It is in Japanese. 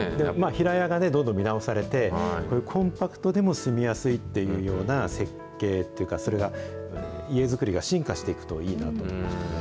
平屋がどんどん見直されて、こういうコンパクトでも住みやすいっていうような設計っていうか、それが、家づくりが進化していくといいなと。